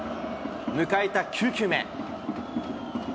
迎えた９球目。